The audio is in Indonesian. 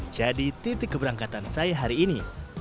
jadi titik keberangkatan saya hari ini